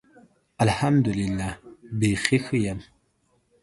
الحمدالله. بیخي ښۀ یم.